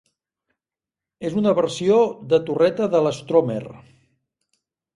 És una versió de torreta de l'Stormer.